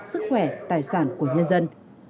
sức khỏe tài sản của nhân dân